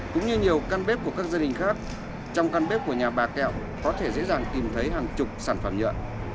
cũng như nhiều căn bếp của các gia đình khác trong căn bếp của nhà bà kẹo có thể dễ dàng tìm thấy hàng chục sản phẩm nhựa